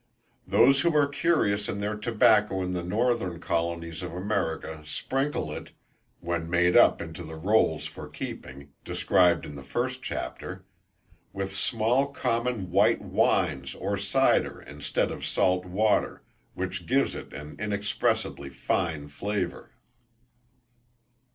Those who are curious in their tobacco in the northern colonies of America sprinkle it, when made up into the roles for keeping, described in the first chapter, with small common white wines or cyder, instead of salt water, which gives it an inexpressibly fine flavour.